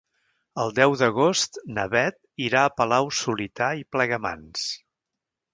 El deu d'agost na Beth irà a Palau-solità i Plegamans.